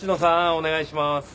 お願いします。